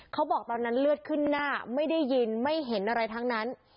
เขาบอกตอนนั้นเลือดขึ้นหน้าไม่ได้ยินไม่เห็นอะไรทั้งนั้น